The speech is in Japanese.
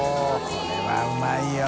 これはうまいよ。